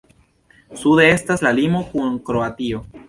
Sude estas la limo kun Kroatio.